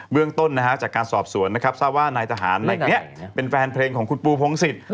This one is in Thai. เรื่องต้นจากการสอบสวนนะครับทราบว่านายทหารเหล็กนี้เป็นแฟนเพลงของคุณปูพงศิษย์